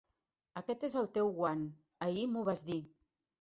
Aquest és el teu guant; ahir m'ho vas dir.